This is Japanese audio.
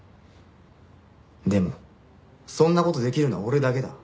でもそんな事できるのは俺だけだ。